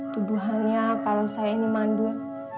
tuduhannya kalau saya ini mandur